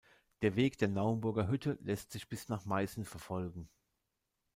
Der Weg der Naumburger Hütte lässt sich bis nach Meißen verfolgen.